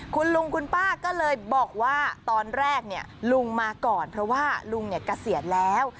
คุณลุงคุณป้าก็เลยบอกว่าตอนแรกลุงมาก่อนเพราะว่าลุงเนี่ยเกษียณแล้ว